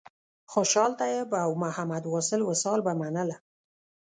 خوشحال طیب او محمد واصل وصال به منله.